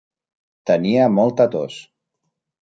Tenia molta tos.